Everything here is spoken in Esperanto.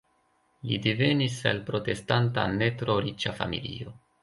Li devenis el protestanta ne tro riĉa familio.